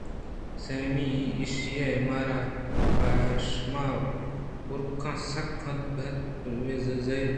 سیمی ایش کہ مارا پہ شُما گُرکاں سک کُنّت بِیت ءُ زہر کئیت